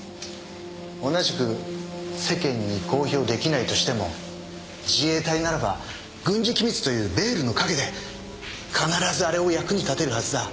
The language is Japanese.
同じく世間に公表できないとしても自衛隊ならば軍事機密というベールの陰で必ずあれを役に立てるはずだ。